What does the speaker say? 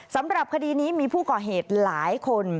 สำหรับคดีนี้มีผู้ก่อเหตุหลายคน